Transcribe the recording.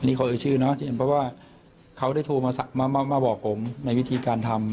อันนี้เค้าเอ่ยชื่อเนอะเพราะว่าเค้าจะโทรมาบอกผมในวิธีการทำ